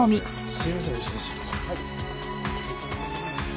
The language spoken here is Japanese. すいません。